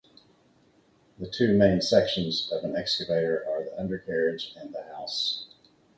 The two main sections of an excavator are the undercarriage and the house.